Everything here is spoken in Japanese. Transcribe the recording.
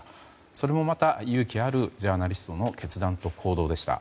それもまた勇気あるジャーナリストの決断と行動でした。